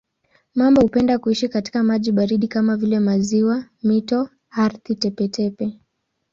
Mamba hupenda kuishi katika maji baridi kama vile maziwa, mito, ardhi tepe-tepe.